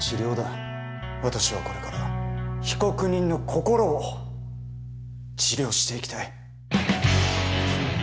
私はこれから被告人の心を治療していきたい。